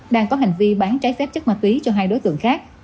đang có hành vi bán trái phép chất ma túy cho hai đối tượng khác